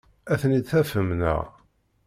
Ad ten-id-tafem, naɣ?